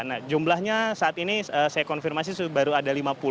nah jumlahnya saat ini saya konfirmasi baru ada lima puluh